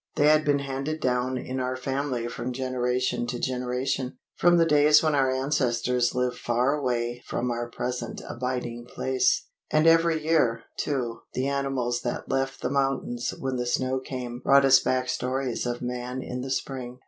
They had been handed down in our family from generation to generation, from the days when our ancestors lived far away from our present abiding place; and every year, too, the animals that left the mountains when the snow came brought us back stories of man in the spring.